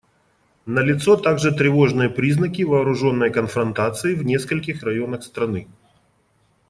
Налицо также тревожные признаки вооруженной конфронтации в нескольких районах страны.